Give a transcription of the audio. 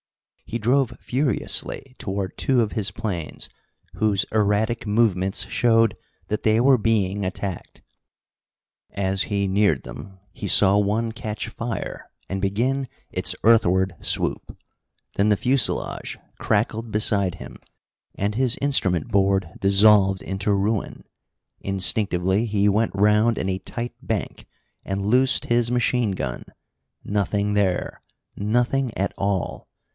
He drove furiously toward two of his planes whose erratic movements showed that they were being attacked. As he neared them he saw one catch fire and begin its earthward swoop. Then the fuselage crackled beside him, and his instrument board dissolved into ruin. Instinctively he went round in a tight bank and loosed his machine gun. Nothing there! Nothing at all!